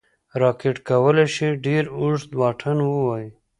راکټ کولی شي ډېر اوږد واټن ووايي